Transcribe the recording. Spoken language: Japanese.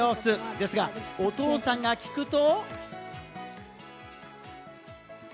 ですが、お父さんが聞くと？